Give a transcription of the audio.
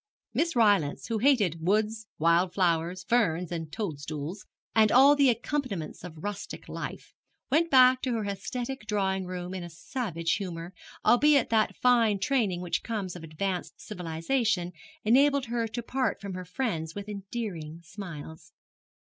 Miss Rylance, who hated woods, wild flowers, ferns and toadstools, and all the accompaniments of rustic life, went back to her aesthetic drawing room in a savage humour, albeit that fine training which comes of advanced civilization enabled her to part from her friends with endearing smiles.